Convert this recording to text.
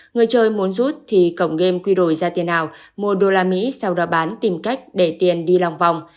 người chơi muốn rút thì cổng game quy đổi ra tiền nào mua đô la mỹ sau đó bán tìm cách để tiền đi lòng vòng